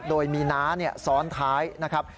โดยมีน้าซ้อนท้ายนะครับ